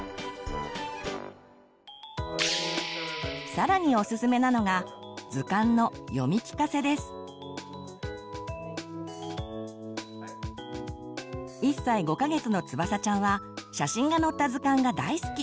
更におすすめなのが図鑑の１歳５か月のつばさちゃんは写真が載った図鑑が大好き。